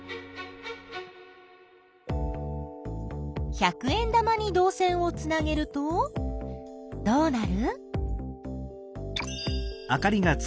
百円玉にどう線をつなげるとどうなる？